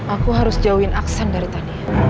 aku harus jauhin aksan dari tadi